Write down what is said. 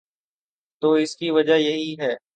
تو اس کی وجہ یہی ہے۔